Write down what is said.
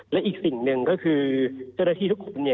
และอีกสิ่งหนึ่งก็คือเจรฐีทุกคน